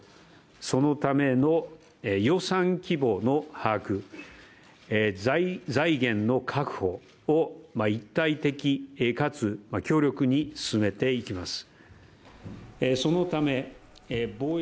そのための予算規模の把握、財源の確保を一体的かつ強力に進めていきます。